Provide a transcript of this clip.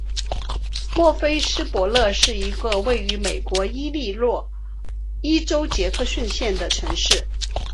莫菲斯伯勒是一个位于美国伊利诺伊州杰克逊县的城市。